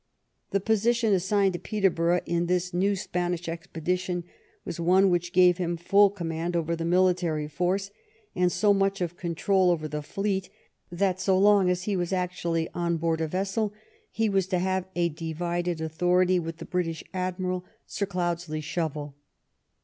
The position assigned to Peterborough in this new Spanish expedition was one which gave him full com mand over the military force, and so much of control over the fleet that, so long as he was actually on board a vessel, he was to have a divided authority with the British admiral. Sir Cloudesley Shovel.